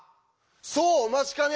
そうお待ちかね！